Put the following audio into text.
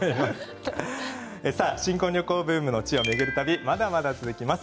新婚旅行ブームの地を巡る旅まだまだ続きます。